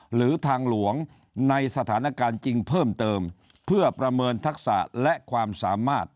หรือทางหลวงในสถานการณ์จริงเพิ่มเติมเพื่อประเมินทักษะและความสามารถ